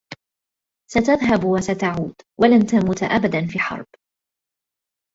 ستذهب و ستعود و لن تموت أبدا في حرب.